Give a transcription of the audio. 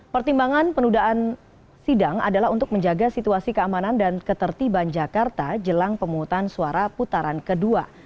pertimbangan penundaan sidang adalah untuk menjaga situasi keamanan dan ketertiban jakarta jelang pemungutan suara putaran kedua